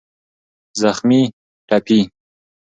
زخمي √ ټپي